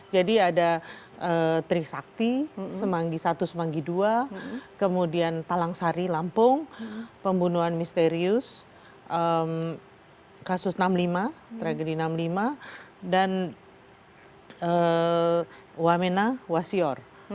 jadi ada trisakti semanggi i semanggi ii kemudian talangsari lampung pembunuhan misterius kasus enam puluh lima tragedi enam puluh lima dan wamena wasior